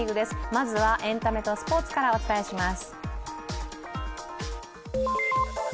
まずはエンタメとスポーツからお伝えします。